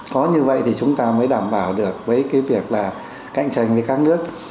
có như vậy thì chúng ta mới đảm bảo được với cái việc là cạnh tranh với các nước